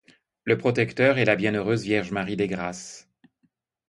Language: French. Le protecteur est la Bienheureuse Vierge Marie des Grâces.